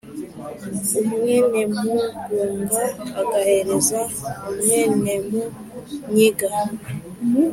umwénemugunga agahereza umwénemúnyiga